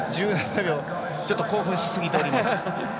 ちょっと興奮しすぎております。